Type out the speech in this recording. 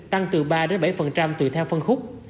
tăng từ ba bảy tùy theo phân khúc